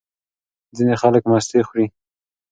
ځینې خلک مستې خوري.